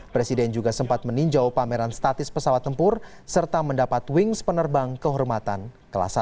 presiden juga sempat meninjau pameran statis pesawat tempur serta mendapat wings penerbang kehormatan kelas satu